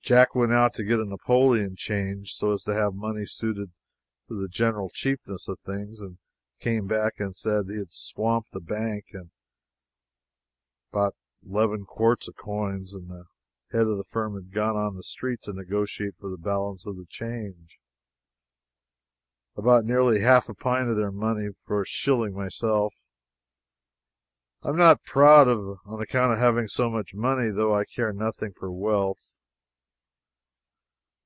Jack went out to get a napoleon changed, so as to have money suited to the general cheapness of things, and came back and said he had "swamped the bank, had bought eleven quarts of coin, and the head of the firm had gone on the street to negotiate for the balance of the change." I bought nearly half a pint of their money for a shilling myself. I am not proud on account of having so much money, though. I care nothing for wealth.